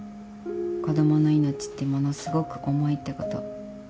子供の命ってものすごく重いってこと。